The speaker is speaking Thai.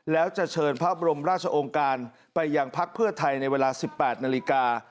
แล้วจะเชิญพระบรมราชองค์การไปยังพักเพื่อไทยในเวลา๑๘นาฬิกา